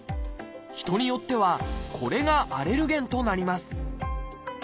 人によってはこれがアレルゲンとなります。